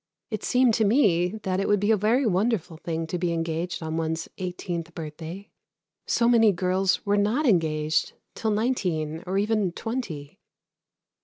It seemed to me that it would be a very wonderful thing to be engaged on one's eighteenth birthday. So many girls were not engaged till nineteen or even twenty.